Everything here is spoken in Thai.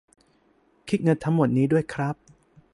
คิดเงินทั้งหมดนี้ด้วยครับ